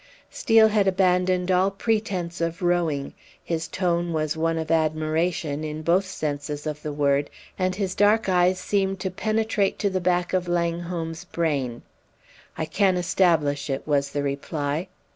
Steel had abandoned all pretence of rowing; his tone was one of admiration, in both senses of the word, and his dark eyes seemed to penetrate to the back of Langholm's brain. "I can establish it," was the reply.